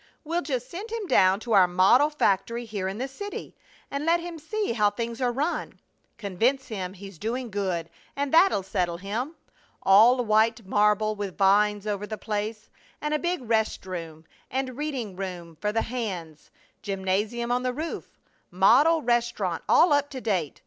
"We'll just send him down to our model factory here in the city and let him see how things are run. Convince him he's doing good, and that'll settle him! All white marble, with vines over the place, and a big rest room and reading room for the hands, gymnasium on the roof, model restaurant, all up to date.